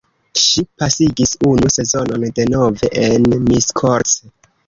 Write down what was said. Ŝi pasigis unu sezonon denove en Miskolc.